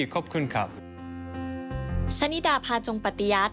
ขอบคุณครับ